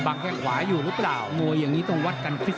ทำลายจังหวะเห็นไหมลูกนี้ติดเบรกเข้าไปดีแม่นี่กำลังเบียดมาเป็นยก๕นี่